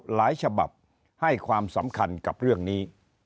ฉบับให้ความสำคัญกับเรื่องนี้